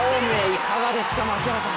いかがですか、槙原さん。